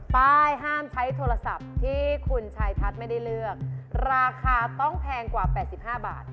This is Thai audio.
ป้ายห้ามใช้โทรศัพท์ที่คุณชายทัศน์ไม่ได้เลือกราคาต้องแพงกว่า๘๕บาท